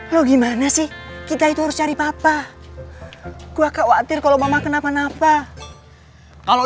lo gimana sih kita itu harus cari papa gue khawatir kalau mama kenapa napa kalau